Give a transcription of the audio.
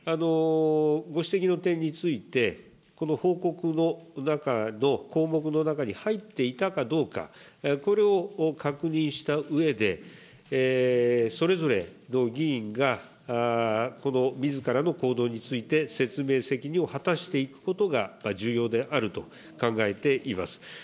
ご指摘の点について、この報告の中の項目の中に入っていたかどうか、これを確認したうえで、それぞれの議員が、このみずからの行動について、説明責任を果たしていくことが重要であると考えています。